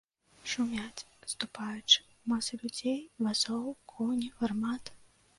Шумяць, адступаючы, масы людзей, вазоў, коні, гармат.